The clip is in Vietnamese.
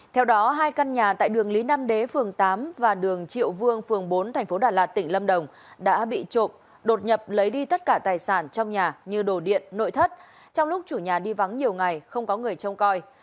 theo đó hai căn nhà tại đường lý nam đế phường tám và đường triệu vương phường bốn tp đà lạt tỉnh lâm đồng đã bị trộm đột nhập lấy đi tất cả tài sản trong nhà như đồ điện nội thất trong lúc chủ nhà đi vắng nhiều ngày không có người trông coi